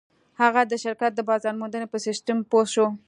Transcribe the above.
هغه د شرکت د بازار موندنې په سيسټم پوه شو.